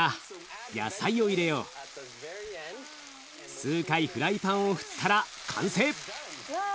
数回フライパンを振ったら完成！わい！